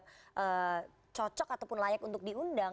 karena dia tidak cocok ataupun layak untuk diundang